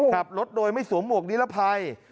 ขับรถโดยไม่สวมหวกนิรภัย